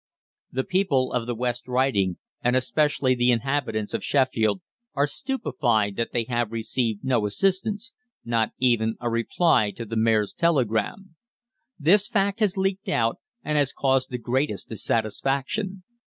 ] "The people of the West Riding, and especially the inhabitants of Sheffield, are stupefied that they have received no assistance not even a reply to the Mayor's telegram. This fact has leaked out, and has caused the greatest dissatisfaction.